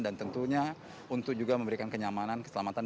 dan tentunya untuk juga memberikan kenyamanan keselamatan